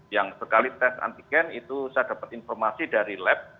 yang sekali tes antigen itu saya dapat informasi dari lab